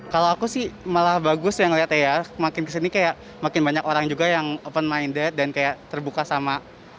kalau aku sih malah bagus ya ngeliatnya ya makin kesini kayak makin banyak orang juga yang open minded dan kayak terbuka sama